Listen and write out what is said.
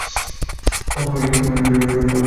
তুমি কি নিয়ে পড়াশুনা করছো?